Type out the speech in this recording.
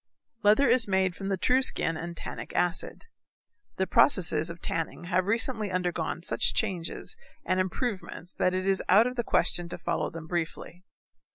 Leather is made from the true skin and tannic acid. The processes of tanning have recently undergone such changes and improvements that it is out of the question to follow them briefly.